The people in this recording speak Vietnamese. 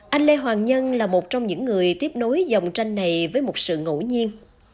anh lê hoàng nhân là một trong những người tiếp nối dòng tranh này với một sự ngẫu nhiên